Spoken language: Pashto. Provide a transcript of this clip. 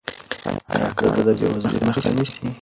آیا کار د بې وزلۍ مخه نیسي؟